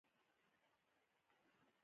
چې ډېرخلک پې راټول وو.